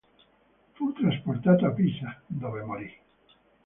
Fu trasportato a Pisa, dove morì.